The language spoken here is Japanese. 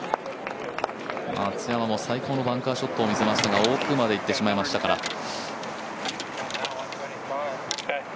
松山も最高のバンカーショットをみせましたけど奥までいってしまいましたから。